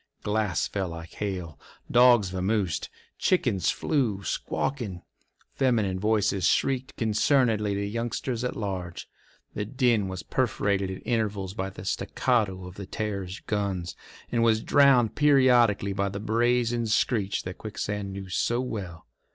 Glass fell like hail; dogs vamosed; chickens flew, squawking; feminine voices shrieked concernedly to youngsters at large. The din was perforated at intervals by the staccato of the Terror's guns, and was drowned periodically by the brazen screech that Quicksand knew so well.